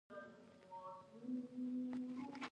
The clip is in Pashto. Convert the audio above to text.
دين اخوان ته يو دکان دی، چی هر څه په کی خر څيږی